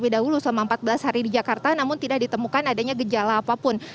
lebih dahulu selama empat belas hari di jakarta namun tidak ditemukan adanya gejala apapun